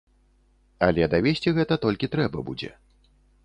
Але давесці гэта толькі трэба будзе.